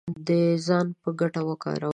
د ځان په ګټه وکاروله